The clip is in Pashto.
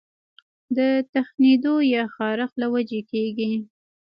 د تښنېدو يا خارښ له وجې کيږي